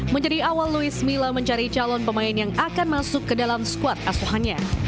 menjadi awal louis mila mencari calon pemain yang akan masuk ke dalam skuad asuhannya